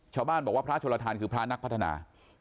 ชาวบ้านบอกว่าพระโชลทานคือพระนักพัฒนา